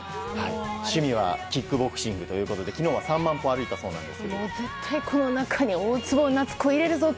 趣味はキックボクシングということで昨日は３万歩歩いたそうなんです。